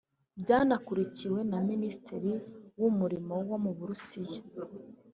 byanakurikiwe na Minisitiri w’umurimo wo mu Burusiya